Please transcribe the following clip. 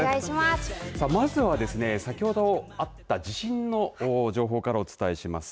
まずはですね、先ほどあった地震の情報からお伝えします。